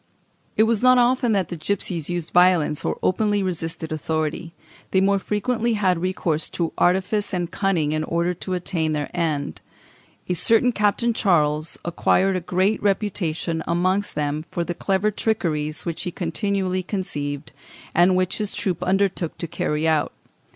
It was not often that the gipsies used violence or openly resisted authority; they more frequently had recourse to artifice and cunning in order to attain their end. A certain Captain Charles acquired a great reputation amongst them for the clever trickeries which he continually conceived, and which his troop undertook to carry out.